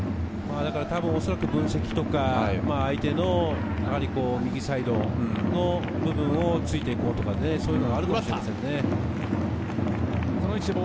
おそらく分析とか、相手の右サイドの部分をついていこうとか、そういうのがあるのだと思います。